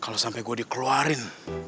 kalau sampai gue dikeluarin